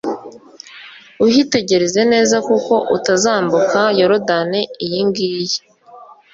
uhitegereze neza, kuko utazambuka yorudani iyi ngiyi!